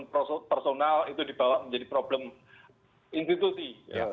bahwa problem problem personal itu dibawa menjadi problem institusi